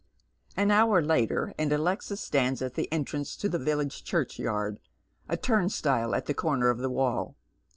An hour later, and Alexis stands at the entrance to the village church yard, a turnstile at a corner of the wall.